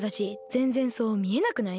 ぜんぜんそうみえなくない？